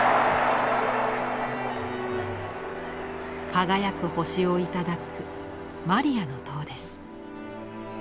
輝く星を頂くマリアの塔です。